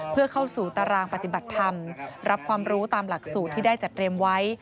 เพื่อเข้าสู่ตารางปฏิบัติธรรมรับความรู้ตามหลักสูตรที่ได้จัดเตรียมไว้